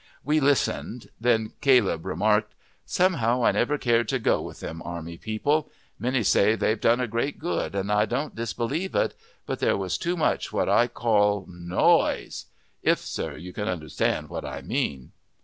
We listened, then Caleb remarked: "Somehow I never cared to go with them Army people. Many say they've done a great good, and I don't disbelieve it, but there was too much what I call NOISE; if, sir, you can understand what I mean."